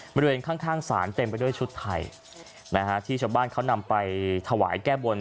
บริเวณข้างศาลเต็มไปด้วยชุดไทยนะฮะที่ชาวบ้านเขานำไปถวายแก้บน